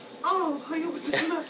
おはようございます。